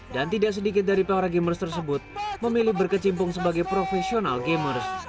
dan tidak sedikit dari para gamers tersebut memilih berkecimpung sebagai profesional gamers